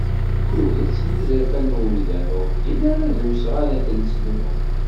Tuget n yizerfan n wemdan ur ddin ara d usɣan n tneslemt.